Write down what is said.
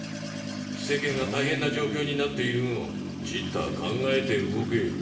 世間が大変な状況になっているんをちったぁ考えて動け。